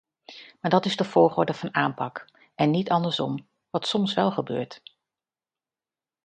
Maar dat is de volgorde van aanpak, en niet andersom, wat soms wel gebeurt.